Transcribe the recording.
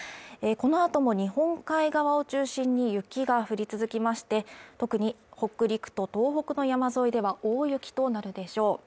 このあとも日本海側を中心に雪が降り続きまして特に北陸と東北の山沿いでは大雪となるでしょう